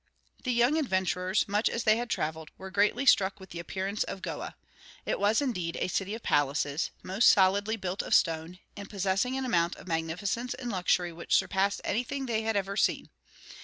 The young adventurers, much as they had traveled, were greatly struck with the appearance of Goa. It was, indeed, a city of palaces, most solidly built of stone, and possessing an amount of magnificence and luxury which surpassed anything they had ever seen.